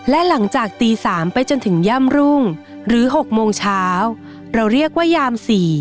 และหลังจากตี๓ไปจนถึงย่ามรุ่งหรือ๖โมงเช้าเราเรียกว่ายาม๔